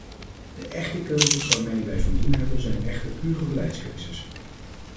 De echte keuzes waarmee wij van doen hebben zijn echter pure beleidskeuzes.